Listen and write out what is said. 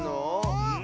うん。